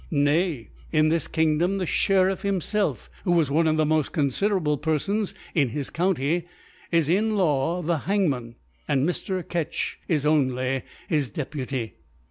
Nay in this Kingdom the She <^ riff himfelf (who was one of the mod con fiderable Perfons in his County) b in Law the Hangman, and Mr. Kitck is only his Deputy.